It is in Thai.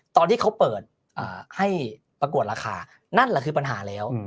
ตอนที่เขาเปิดให้ประกวดราคานั่นแหละคือปัญหาแล้ว